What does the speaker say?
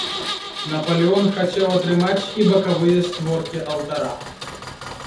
Напалеон хацеў атрымаць і бакавыя створкі алтара.